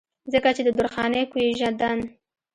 ځکه چې د درخانۍ کويژدن